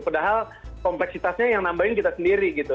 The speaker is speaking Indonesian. padahal kompleksitasnya yang nambahin kita sendiri gitu